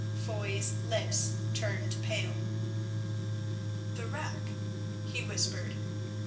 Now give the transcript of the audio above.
Foy's lips turned pale. "The rack?" he whispered.